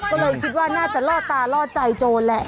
ก็เลยคิดว่าน่าจะล่อตาล่อใจโจรแหละ